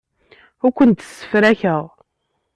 Ur kent-ssefrakeɣ.